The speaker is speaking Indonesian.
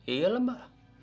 iya lah mba